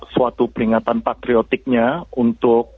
suatu peringatan patriotiknya untuk